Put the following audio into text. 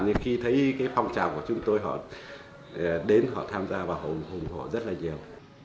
nhưng khi thấy phong trào của chúng tôi họ đến họ tham gia và hồng hồ rất là nhiều